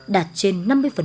đạt năng suất cao hơn